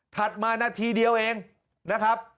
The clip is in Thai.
มานาทีเดียวเองนะครับ